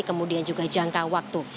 kemudian juga jangka waktu